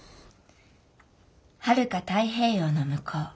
はるか太平洋の向こう